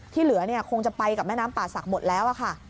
ที่เหลือคงจะไปกับแม่น้ำป่าศักดิ์หมดแล้วค่ะ